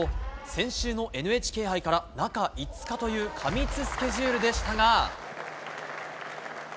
先週のＮＨＫ杯から中５日という過密スケジュールでしたが。